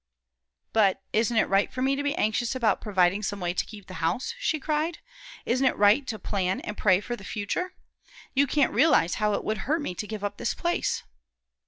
"But isn't it right for me to be anxious about providing some way to keep the house?" she cried. "Isn't it right to plan and pray for the future? You can't realize how it would hurt me to give up this place."